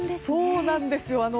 そうなんですよ。